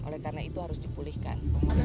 oleh karena itu harus dipulihkan